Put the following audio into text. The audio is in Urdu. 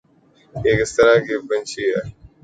یہ کس طرح کی پنچھی ہے